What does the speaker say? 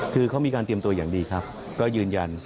คือเขามีการเตรียมตัวอย่างดีครับก็ยืนยัน